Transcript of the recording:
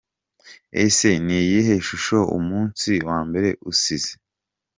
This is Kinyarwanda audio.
Ese ni iyihe shusho umunsi wa mbere usize?.